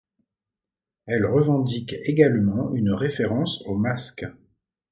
Elle revendique également une référence aux masques.